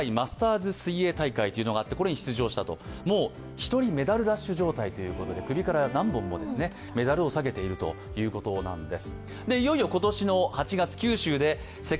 一人メダルラッシュ状態ということで、首から何本もメダルをさげているということなんです。